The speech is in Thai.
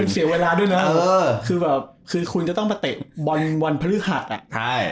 มันเสียเวลาด้วยนะคือแบบคุณจะต้องไปเตะวันพฤษภักดิ์